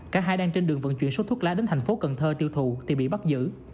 cả hai đang trên đường vận chuyển số thuốc lá đến thành phố cần thơ tiêu thụ thì bị bắt giữ